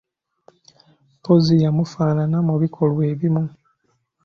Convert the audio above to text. Mpozzi yamufaanana mu bikolwa ebimu.